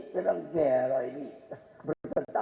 berpengaruh tapi kok menyatu